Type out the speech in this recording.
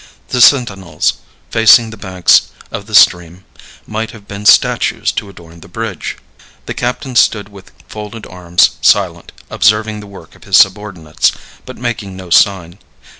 The sentinels, facing the banks of the stream, might have been statues to adorn the bridge. The captain stood with folded arms, silent, observing the work of his subordinates, but making no sign.